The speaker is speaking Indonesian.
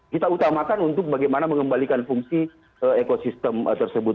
kita utamakan untuk bagaimana mengembalikan fungsi ekosistem tersebut